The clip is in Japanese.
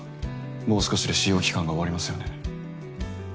もう少しで試用期間が終わりますよね？